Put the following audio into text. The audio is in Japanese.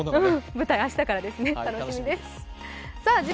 舞台、明日からですね、楽しみです。